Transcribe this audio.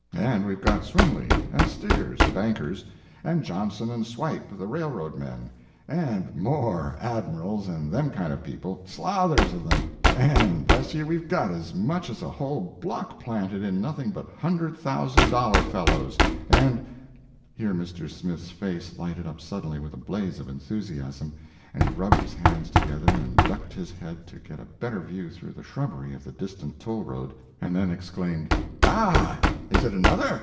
And we've got Swimley, and Stiggers, the bankers, and Johnson and Swipe, the railroad men, and m o r e Admirals and them kind of people—slathers of 'em! And bless you we've got as much as a whole block planted in nothing but hundred thousand dollar fellows—and—" (Here Mr. Smith's face lighted up suddenly with a blaze of enthusiasm, and he rubbed his hands together and ducked his head to get a better view through the shrubbery of the distant toll road, and then exclaimed): "Ah! is it another?